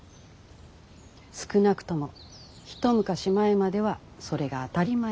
少なくとも一昔前まではそれが当たり前だった。